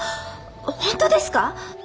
本当ですか？